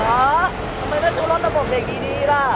ทำไมแม่ซู่นอนกระบบเด็กดี